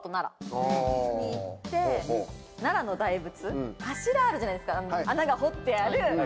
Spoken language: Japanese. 奈良の大仏柱あるじゃないですか穴が掘ってある。